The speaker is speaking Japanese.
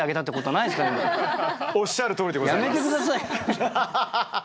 やめて下さい！